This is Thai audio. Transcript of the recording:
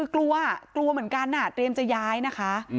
กลัวเกราะอะไรด้วยเกราะคุณจะย้ายนะคะ